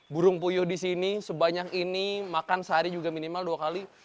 burung puyuh di sini sebanyak ini makan sehari juga minimal dua kali